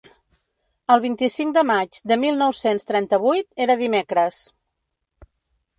El vint-i-cinc de maig de mil nou-cents trenta-vuit era dimecres.